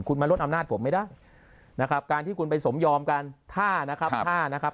คุณมาลดอำนาจผมไม่ได้นะครับการที่คุณไปสมยอมกันถ้านะครับถ้านะครับ